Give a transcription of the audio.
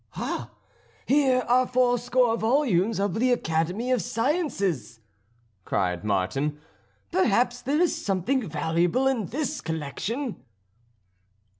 "Ha! here are four score volumes of the Academy of Sciences," cried Martin. "Perhaps there is something valuable in this collection."